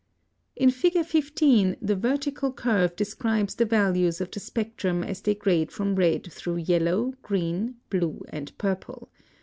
(96) In Fig. 15 the vertical curve describes the values of the spectrum as they grade from red through yellow, green, blue, and purple.